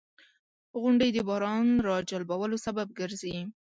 • غونډۍ د باران راجلبولو سبب ګرځي.